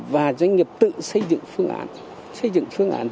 và doanh nghiệp tự xây dựng phương án xây dựng phương án